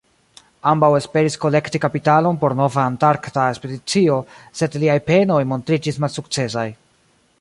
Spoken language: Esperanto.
Ambaŭ esperis kolekti kapitalon por nova antarkta ekspedicio, sed liaj penoj montriĝis malsukcesaj.